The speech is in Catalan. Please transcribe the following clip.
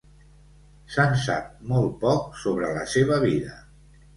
Se'n sap molt poc sobre la seva vida.